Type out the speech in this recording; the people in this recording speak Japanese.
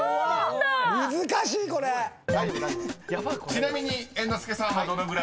［ちなみに猿之助さんはどのぐらいだと？］